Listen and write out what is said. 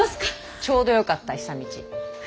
ちょうどよかった久通。